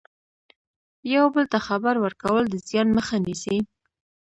یو بل ته خبر ورکول د زیان مخه نیسي.